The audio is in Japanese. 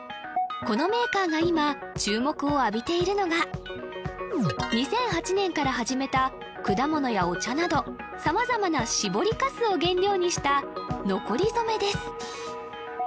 このメーカーが今注目を浴びているのが２００８年から始めた果物やお茶など様々なしぼりカスを原料にしたのこり染です